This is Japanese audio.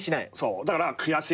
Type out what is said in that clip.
だから悔しいとか